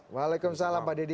waalaikumsalam pak deddy